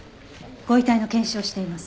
ご遺体の検視をしています。